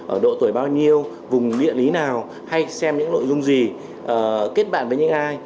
ở độ tuổi bao nhiêu vùng địa lý nào hay xem những nội dung gì kết bạn với những ai